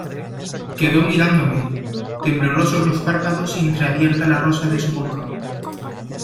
quedó mirándome, temblorosos los párpados y entreabierta la rosa de su boca.